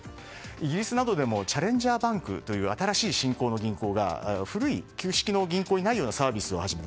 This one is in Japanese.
イギリスなどでもチャレンジャーバンクという新しい新興の銀行が古い銀行にないようなサービスを始めた。